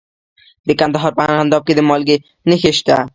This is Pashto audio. د کندهار په ارغنداب کې د مالګې نښې شته.